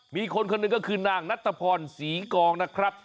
คนหนึ่งก็คือนางนัทพรศรีกองนะครับ